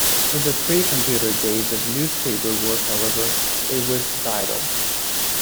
In the pre-computer days of newspaper work, however, it was vital.